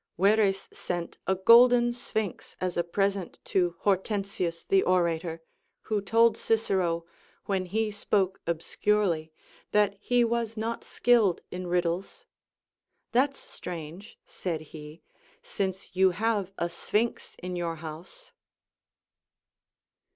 Verres sent a golden sphinx as a present to Hortensius the orator, who told Cicero, when he spoke obscurely, that he was not skilled in riddles. Thafs strange, said he, since you have a sphinx in your house.